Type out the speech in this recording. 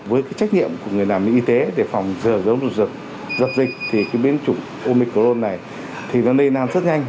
với cái trách nhiệm của người làm y tế để phòng dần dần dần dần dần dịch thì cái biến chủng omicron này thì nó nây nan rất nhanh